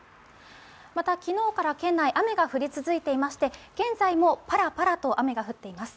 また昨日から県内雨が降り続いていまして現在もパラパラと雨が降っています。